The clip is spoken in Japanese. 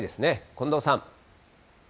近藤さん。